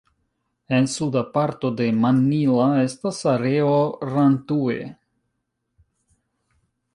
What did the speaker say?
En suda parto de Mannila estas areo Rantue.